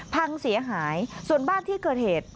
พังเสียหายส่วนบ้านที่เกิดเหตุ